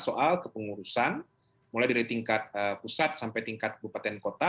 soal kepengurusan mulai dari tingkat pusat sampai tingkat bupaten kota